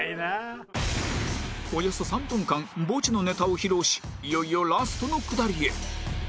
およそ３分間「墓地」のネタを披露しいよいよラストのくだりへ